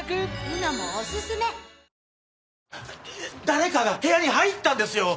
誰かが部屋に入ったんですよ！